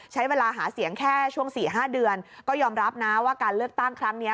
ใช้เวลาหาเสียงแค่ช่วง๔๕เดือนก็ยอมรับนะว่าการเลือกตั้งครั้งนี้